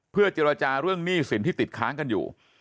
เพื่อเจรจาเรื่องหนี้สินที่ติดค้างกันอยู่